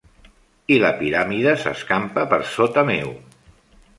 I la piràmide s'escampa per sota meu.